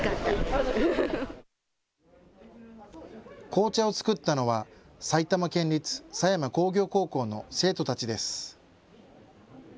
紅茶を作ったのは埼玉県立狭山工業高校の生徒たちです。